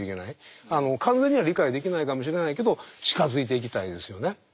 完全には理解できないかもしれないけど近づいていきたいですよね。